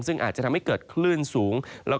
ซึ่งอาจจะทำให้เกิดคลื่นสูง